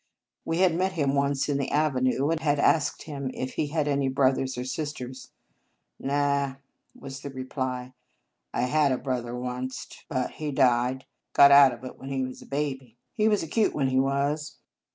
We had met him once in the avenue, and had asked him if he had any brothers or sisters. " Naw," was the reply. " I had a brother wanst, but he died; got out of it when he was a baby. He was a cute one, he was."